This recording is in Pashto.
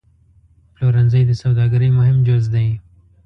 پلورنځی د سوداګرۍ مهم جز دی.